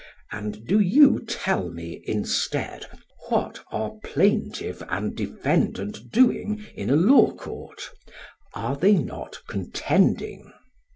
And do you tell me, instead, what are plaintiff and defendant doing in a law court are they not contending?